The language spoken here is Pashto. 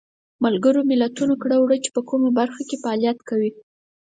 ملګرو ملتونو کړه وړه چې په کومو برخو کې فعالیت کوي.